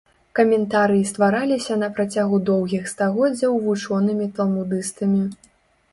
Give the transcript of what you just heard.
Каментарыі ствараліся на працягу доўгіх стагоддзяў вучонымі талмудыстамі.